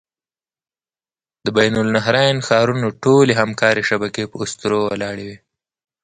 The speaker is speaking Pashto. د بین النهرین ښارونو ټولې همکارۍ شبکې په اسطورو ولاړې وې.